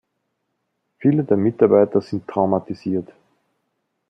Viele der Mitarbeiter sind traumatisiert.